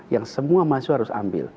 yang semua mahasiswa harus ambil